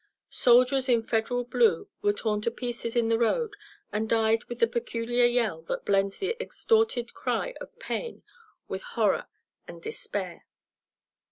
Soldiers in Federal blue were torn to pieces in the road and died with the peculiar yell that blends the extorted cry of pain with horror and despair."